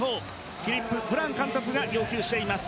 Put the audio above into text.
フィリップ・ブラン監督が要求しています。